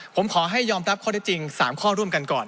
ผมขอให้ยอมรับข้อได้จริง๓ข้อร่วมกันก่อน